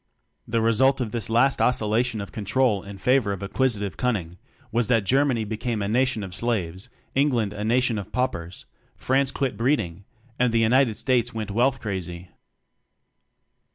The result of this ' last oscillation of control favor of (acquisitive) Cunning was that Germany became a nation of slaves, England a nation of paupers, France quit breeding, and the States went wealth crazy!